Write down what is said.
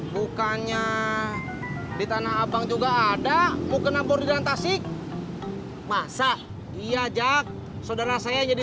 bukannya di tanah abang juga ada mau kena bordiran tasik masa dia jak sodara saya jadi